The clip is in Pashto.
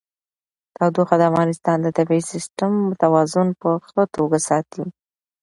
تودوخه د افغانستان د طبعي سیسټم توازن په ښه توګه ساتي.